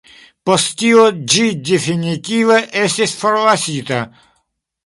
Post tio ĝi definitive estis forlasita.